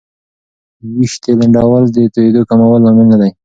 ویښتې لنډول د توېیدو د کمولو لامل نه دی.